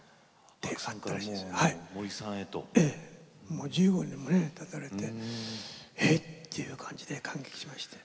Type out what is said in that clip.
もう１５年もねたたれて「え！」っていう感じで感激しまして。